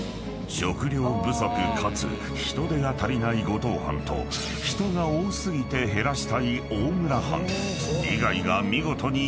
食料不足かつ人手が足りない五島藩と人が多過ぎて減らしたい大村藩］